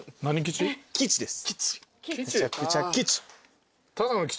中吉です。